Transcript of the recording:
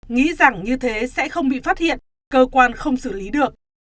nghĩ rằng như thế sẽ không bị phát hiện cơ quan không xử lý được